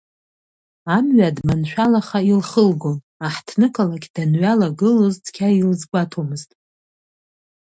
Амҩа дманшәалаха илхылгон, аҳҭнықалақь данҩалагылоз цқьа илызгәаҭомызт.